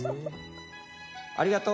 「ありがと」。